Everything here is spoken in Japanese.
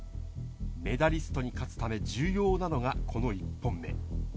メダリストに勝つため重要なのが、この１本目。